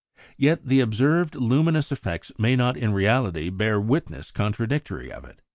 Yet the observed luminous effects may not in reality bear witness contradictory of it.